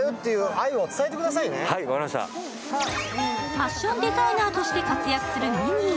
ファッションデザイナーとして活躍するミニー。